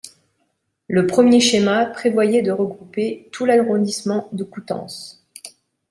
Le premier schéma prévoyait de regrouper tout l'arrondissement de Coutances.